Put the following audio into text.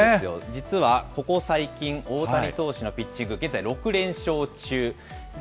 実は、ここ最近、大谷投手のピッチング、現在６連勝中。